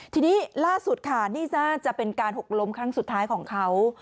ทีนี้ล่าสุดค่ะนี่น่าจะเป็นการหกล้มครั้งสุดท้ายของเขา